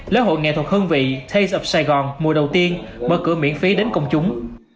lễ hội nghệ thuật hương vị taste of saigon mùa đầu tiên mở cửa miễn phí đến công chúng